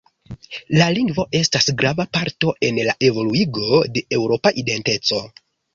La lingvo estas grava parto en la evoluigo de eŭropa identeco.